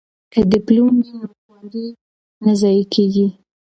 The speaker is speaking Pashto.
که ډیپلوم وي نو خواري نه ضایع کیږي.